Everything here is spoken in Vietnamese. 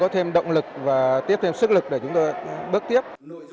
thêm động lực và tiếp thêm sức lực để chúng tôi bước tiếp